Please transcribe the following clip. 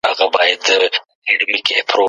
ميرويس خان نيکه څنګه قبيلې سره يوې کړې؟